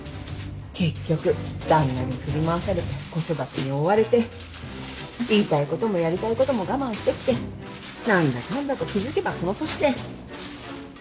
結局旦那に振り回されて子育てに追われて言いたいこともやりたいことも我慢してきて何だかんだと気付けばこの年で。